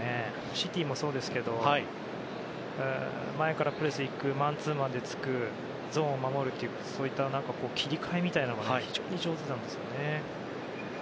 シティもそうですが前からプレスに行くマンツーマンでつくゾーンで守るという、それの切り替えみたいなものが非常に上手なんですよね。